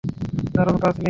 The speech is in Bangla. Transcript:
দারুণ কাজ, লিস।